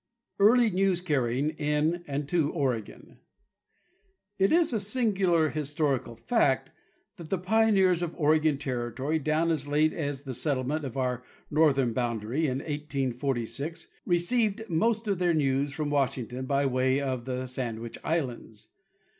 Early News carrying in and to Oregon. It is a singular historical fact that the pioneers of Oregon territory down as late as the settlement of our northern bound ary, in 1846, received most of their news from Washington by way of the Sandwich islands.